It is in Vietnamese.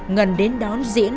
ngân đến đón diễn